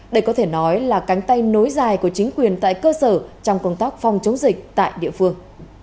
đây có thể nói là cánh tay nối dài của chính quyền tại cơ sở trong công tác phòng chống dịch tại địa phương